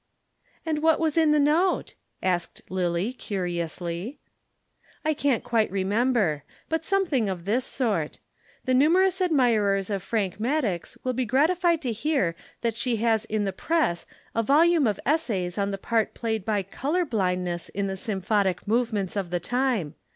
"And what was in the note?" asked Lillie curiously. "I can't quite remember. But something of this sort. 'The numerous admirers of Frank Maddox will be gratified to hear that she has in the press a volume of essays on the part played by color blindness in the symphonic movements of the time.